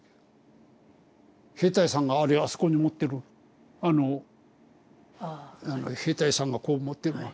兵隊さんがあれあそこに持ってるあのあの兵隊さんがこう持ってるわ。